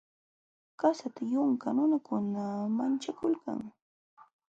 Qasata yunka nunakuna manchakulkanmi.